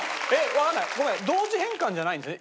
わかんないごめん同時変換じゃないんですね。